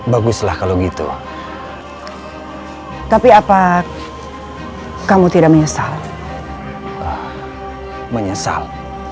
mereka sudah sudah punya mulut mifice tersebut